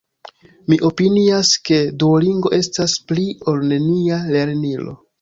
Mi opinias ke Duolingo estas “pli-ol-nenia” lernilo.